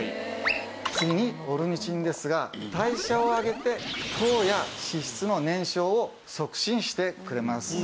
次にオルニチンですが代謝を上げて糖や脂質の燃焼を促進してくれます。